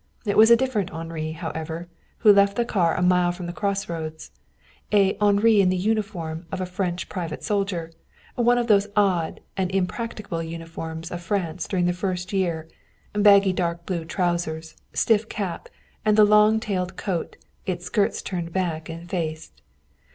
It was a different Henri, however, who left the car a mile from the crossroads a Henri in the uniform of a French private soldier, one of those odd and impracticable uniforms of France during the first year, baggy dark blue trousers, stiff cap, and the long tailed coat, its skirts turned back and faced.